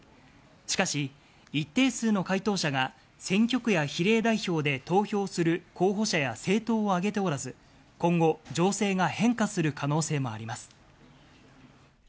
しかし一定数の回答者が選挙区や比例代表で投票する候補者や政党をあげておらず、今後、情勢が変化する可能性もあります。